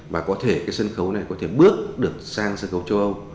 và có thể cái sân khấu này có thể bước được sang sân khấu châu âu